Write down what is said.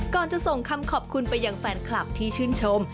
จะส่งคำขอบคุณไปยังแฟนคลับที่ชื่นชม